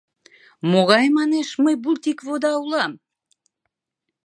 Могай, манеш, мый «бултик вода» улам?..